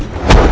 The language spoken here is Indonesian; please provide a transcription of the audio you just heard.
kau tidak tahu